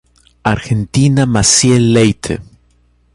Argentina Maciel Leite